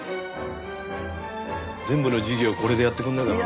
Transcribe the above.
全部の授業これでやってくれないかな。